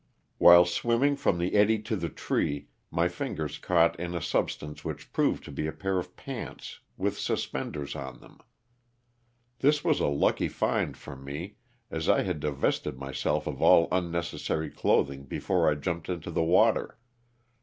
While swimming from the eddy to the tree my fingers caught in a substance which proved to be a pair of pants with suspenders on them ; this was a lucky find for me as I had divested myself of all unnecessary clothing before I jumped into the water.